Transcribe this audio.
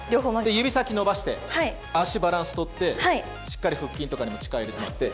指先伸ばして、足バランス取ってしっかり腹筋とかにも力入れてもらって。